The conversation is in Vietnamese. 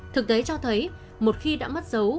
thực tế cho thấy một khi đã mất dấu